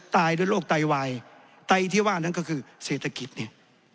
ตายด้วยโรคไตวายไตที่ว่านั้นก็คือเศรษฐกิจเนี่ย